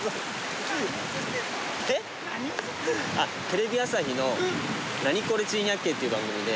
テレビ朝日の『ナニコレ珍百景』っていう番組で。